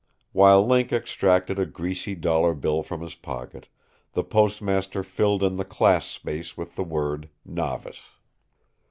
While Link extracted a greasy dollar bill from his pocket, the postmaster filled in the class space with the word "Novice."